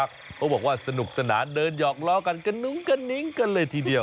เขาบอกว่าสนุกสนานเดินหยอกล้อกันกระนุ้งกระนิ้งกันเลยทีเดียว